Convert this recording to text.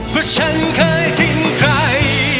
ว่าฉันเคยทิ้งใคร